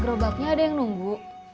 gerobaknya ada yang nunggu